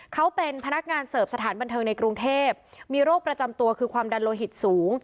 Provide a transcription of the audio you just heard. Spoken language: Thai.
เขาเป็นพนักงานเสิร์ฟสถานบันเทิงในกรุงเทพมีโรคประจำตัวคือความดันโลหิตสูง